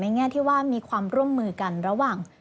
แง่ที่ว่ามีความร่วมมือกันระหว่าง